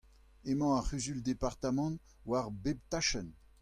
Emañ ar Cʼhuzul-departamant war bep tachenn !